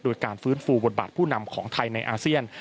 โดยการฟื้นฟูบทบาทผู้นำของไทยในอาเซียน